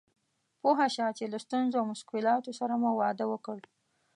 پوه شه چې له ستونزو او مشکلاتو سره مو واده وکړ.